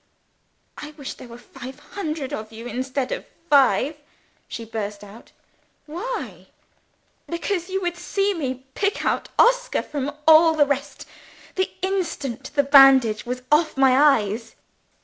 "I wish there were five hundred of you, instead of five?" she burst out. "Why?" "Because you would see me pick out Oscar from all the rest, the instant the bandage was off my eyes!"